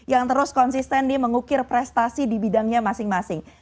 yang terus konsisten di mengukir prestasi di bidangnya masing masing